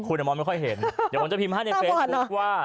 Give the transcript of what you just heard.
คุณมองไม่ค่อยเห็นเดี๋ยวผมจะพิมพ์ให้ในเฟซบุ๊คว่า